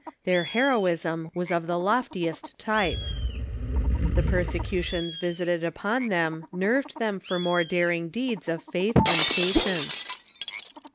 Their heroism was of the lof tiest type. The persecutions visited upon them nerved them for more daring deeds of faith and patience.